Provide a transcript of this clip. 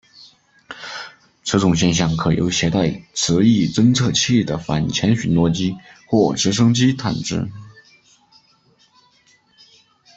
此种现象可由携带磁异侦测器的反潜巡逻机或直升机探知。